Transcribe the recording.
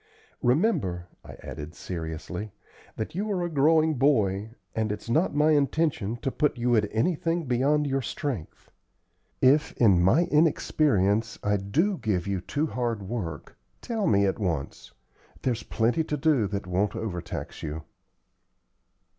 Remember," I added, seriously, "that you are a growing boy, and it's not my intention to put you at anything beyond your strength. If, in my inexperience, I do give you too hard work, tell me at once. There's plenty to do that won't overtax you."